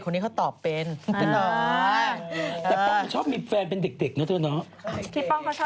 พี่ป้องเพราะควบคุณใหญ่ไฮโซ